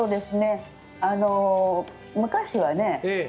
昔はね